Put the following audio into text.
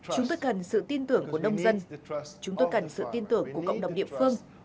chúng tôi cần sự tin tưởng của nông dân chúng tôi cần sự tin tưởng của cộng đồng địa phương